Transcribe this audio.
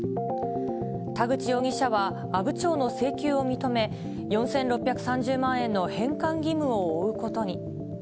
田口容疑者は、阿武町の請求を認め、４６３０万円の返還義務を負うことに。